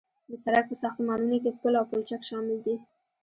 د سرک په ساختمانونو کې پل او پلچک شامل دي